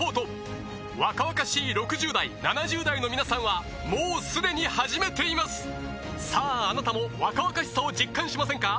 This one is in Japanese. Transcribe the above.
若々しい６０代７０代の皆さんはもうすでに始めていますさああなたも若々しさを実感しませんか？